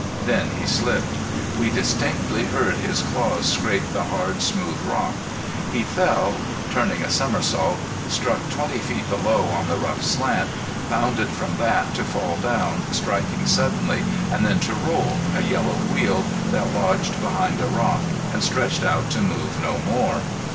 Then he slipped. We distinctly heard his claws scrape the hard, smooth rock. He fell, turning a somersault, struck twenty feet below on the rough slant, bounded from that to fall down, striking suddenly and then to roll, a yellow wheel that lodged behind a rock and stretched out to move no more.